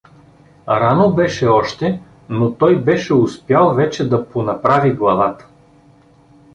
Рано беше още, но той беше успял вече да понаправи главата.